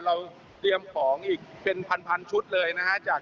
เราเตรียมของอีกเป็นพันชุดเลยนะฮะ